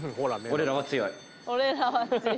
俺らは強い。